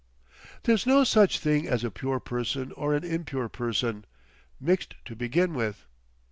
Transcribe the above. "There's no such thing as a pure person or an impure person.... Mixed to begin with."